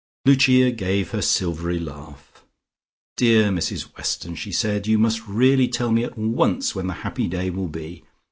Lucia gave her silvery laugh. "Dear Mrs Weston," she said, "you must really tell me at once when the happy day will be.